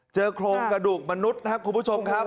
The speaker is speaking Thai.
เจอโครงกระดูกมนุษย์นะครับคุณผู้ชมครับ